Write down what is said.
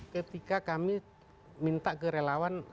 ketika kami minta ke relawan